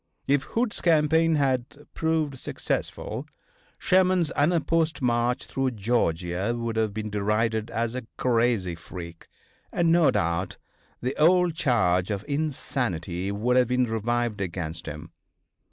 If Hood's campaign had proved successful Sherman's unopposed march through Georgia would have been derided as a crazy freak, and, no doubt, the old charge of insanity would have been revived against him.